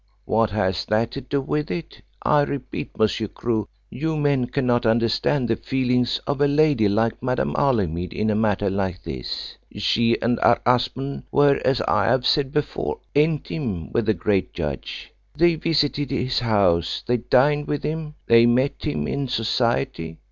What has that to do with it? I repeat: Monsieur Crewe, you men cannot understand the feelings of a lady like Madame Holymead in a matter like this. She and her husband were, as I have said before, intime with the great judge. They visited his house, they dined with him, they met him in Society.